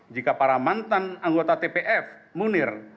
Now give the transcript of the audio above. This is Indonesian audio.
jika para mantan anggota tpf munir